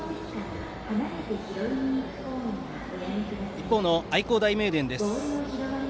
一方、愛工大名電です。